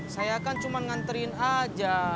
saya kan cuma nganterin aja